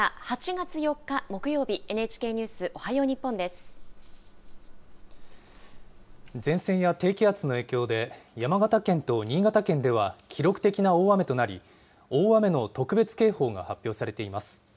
８月４日木曜日、ＮＨＫニュース前線や低気圧の影響で山形県と新潟県では記録的な大雨となり大雨の特別警報が発表されています。